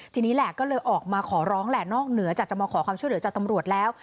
ทีนี้แหละก็เลยออกมาขอร้องแหละนอกเหนือจากจะมาขอความช่วยเหลือจากตำรวจแล้ว